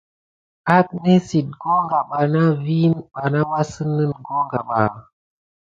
Anesiti goka vikine bana asine na kogan ba.